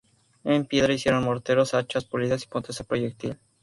En piedra, hicieron morteros, hachas pulidas y puntas de proyectil.